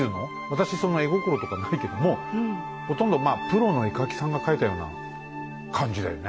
私その絵心とかないけどもほとんどまあプロの絵描きさんが描いたような感じだよね。